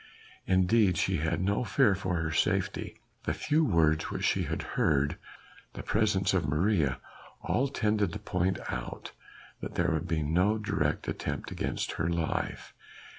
Indeed she had no fear for her safety; the few words which she had heard, the presence of Maria, all tended to point out that there would be no direct attempt against her life.